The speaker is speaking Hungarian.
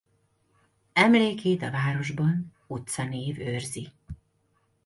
Emlékét a városban utcanév őrzi.